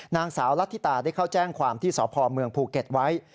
นางสาวลัทธิตาได้เข้าแจ้งความที่สพเมืองภูเก็ตไว้